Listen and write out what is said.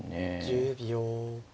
１０秒。